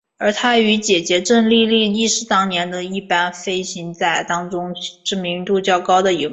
而他与姊姊郑丽丽亦是当年的一班飞机仔当中知名度较高的一位。